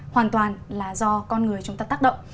hoàn toàn là do con người chúng ta tác động